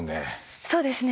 そうですね。